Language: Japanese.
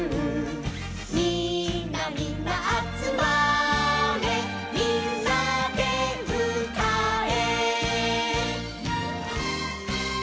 「みんなみんなあつまれ」「みんなでうたえ」